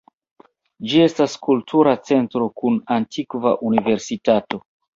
Ĝi estas kultura centro kun antikva universitato.